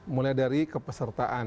mulai dari kepesertaan